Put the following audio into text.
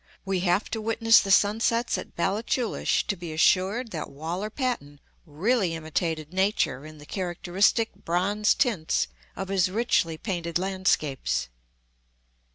We have to witness the sunsets at Ballachulish to be assured that Waller Paton really imitated nature in the characteristic bronze tints of his richly painted landscapes.